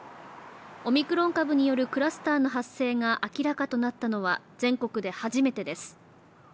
オミクロン株によるクラスターの発生が明らかとなったのは全国で初めてです。